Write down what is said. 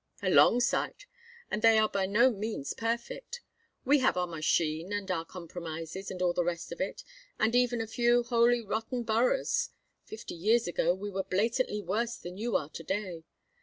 "A long sight. And they are by no means perfect. We have our machine and our compromises, and all the rest of it; and even a few wholly rotten boroughs. Fifty years ago we were blatantly worse than you are to day.